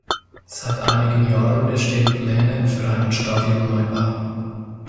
Seit einigen Jahren bestehen Pläne für einen Stadionneubau.